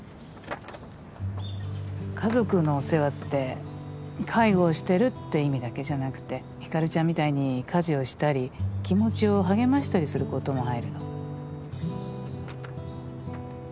家族のお世話って介護をしてるって意味だけじゃなくてひかるちゃんみたいに家事をしたり気持ちを励ましたりすることも入るの。